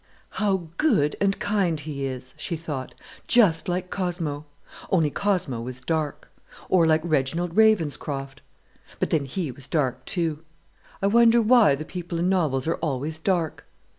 "How good and kind he is!" she thought; "just like Cosmo, only Cosmo was dark; or like Reginald Ravenscroft, but then he was dark too. I wonder why the people in novels are always dark?